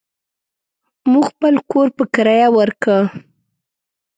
مو خپل کور په کريه وارکه.